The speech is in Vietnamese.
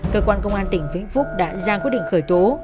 cơ quan công an tỉnh vĩnh phúc đã ra quyết định khởi tố